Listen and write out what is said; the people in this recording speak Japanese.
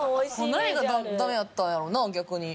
何がダメやったんやろな逆に。